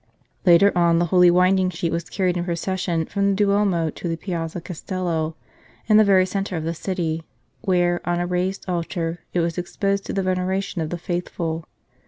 ..." Later on the Holy Winding Sheet was carried in procession from the Duomo to the Piazza Castello, in the very centre of the city, where, on a raised altar, it was exposed to the veneration of the faithful.